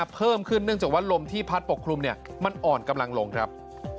เพิ่มขึ้นเนื่องจากว่าลมที่พัดปกคลุมมันอ่อนกำลังลงครับ